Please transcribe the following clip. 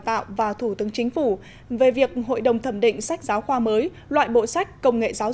tạo và thủ tướng chính phủ về việc hội đồng thẩm định sách giáo khoa mới loại bộ sách công nghệ giáo